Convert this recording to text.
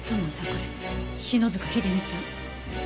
これ篠塚秀実さん。